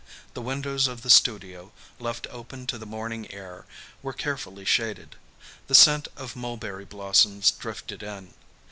The windows of the studio, left open to the morning air, were carefully shaded. The scent of mulberry blossoms drifted in.